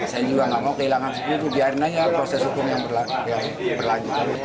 saya juga nggak mau kehilangan sepuluh biar aja proses hukum yang berlanjut